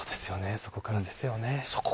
そこからですよね。